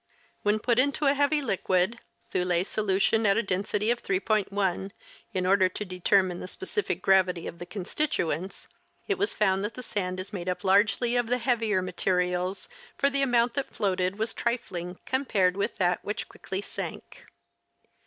When put into a heavy liquid (Thoulet solution of a density of 3.1) in order to determine the specific gravity of the constituents, it was found that the sand is made up largely of the heavier materials, for the amount that floated was trifling compared with that which quickly sank.